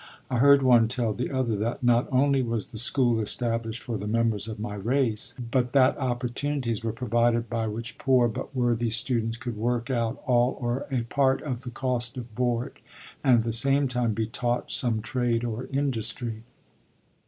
I heard one tell the other that not only was the school established for the members of my race, but that opportunities were provided by which poor but worthy students could work out all or a part of the cost of board, and at the same time be taught some trade or industry.